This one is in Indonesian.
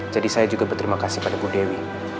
jadi saya juga berterima kasih pada bu dewi